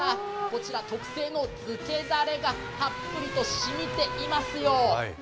こちら、特製の漬けダレがたっぷりとしみておりますよ。